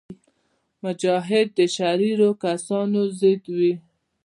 مجاهد د شریرو کسانو ضد وي.